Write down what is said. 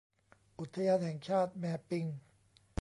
อุทยานแห่งชาติแม่ปิง